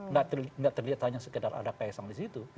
nggak terlihat hanya sekedar ada psm di situ